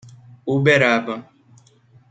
Uberaba